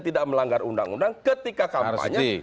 tidak melanggar undang undang ketika kampanye